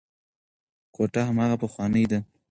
کوټه هماغه پخوانۍ ده.